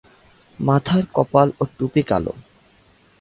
মাথার কপাল ও টুপি কালো।